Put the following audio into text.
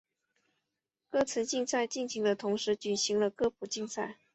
歌词竞赛进行的同时举行了歌谱竞赛。